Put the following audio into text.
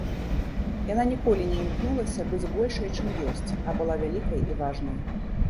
Яна ніколі не імкнулася быць большай, чым ёсць, а была вялікай і важнай.